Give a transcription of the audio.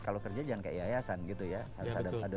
kalau kerja jangan kayak yayasan gitu ya